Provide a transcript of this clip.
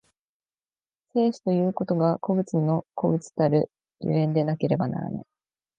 生死ということが個物の個物たる所以でなければならない。